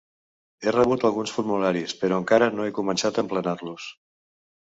He rebut alguns formularis, però encara no he començat a emplenar-los.